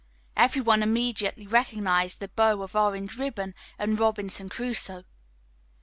Every one immediately recognized "The Bow of Orange Ribbon" and "Robinson Crusoe."